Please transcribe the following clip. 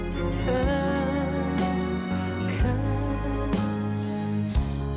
ที่เธอคิด